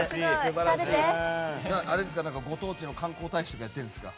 ご当地の観光大使とかやってるんですか？